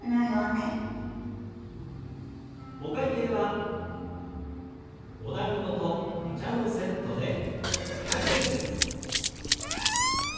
お会計はおだんごとお茶のセットで５００円です。